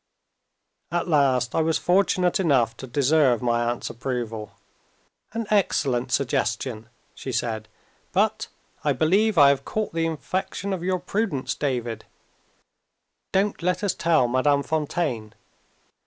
At last I was fortunate enough to deserve my aunt's approval. "An excellent suggestion," she said. "But I believe I have caught the infection of your prudence, David don't let us tell Madame Fontaine.